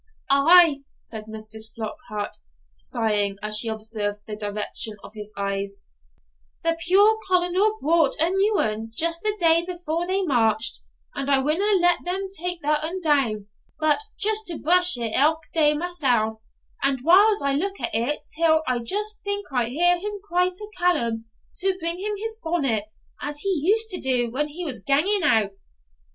'Ay,' said Mrs. Flockhart, sighing, as she observed the direction of his eyes, 'the puir Colonel bought a new ane just the day before they marched, and I winna let them tak that ane doun, but just to brush it ilka day mysell; and whiles I look at it till I just think I hear him cry to Callum to bring him his bonnet, as he used to do when he was ganging out.